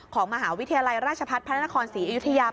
ของมหาวิทยาลัยราชพัฒน์พระนครศรีอยุธยา